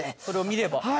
これを見れば？